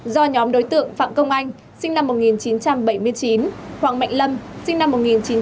do nhóm đối tượng phạm công anh sinh năm một nghìn chín trăm bảy mươi chín hoàng mạnh lâm sinh năm một nghìn chín trăm tám mươi